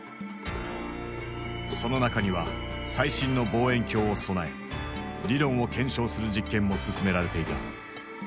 その中には最新の望遠鏡を備え理論を検証する実験も進められていた。